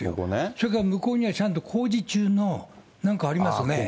それから向こうにはちゃんと工事中のなんかありますよね。